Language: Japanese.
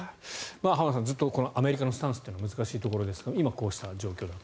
浜田さん、ずっとアメリカのスタンスというのは難しいところですが今、こうした状況だと。